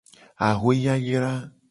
Axwe yayra.